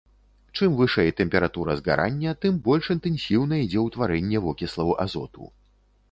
Чым вышэй тэмпература згарання, тым больш інтэнсіўна ідзе ўтварэнне вокіслаў азоту.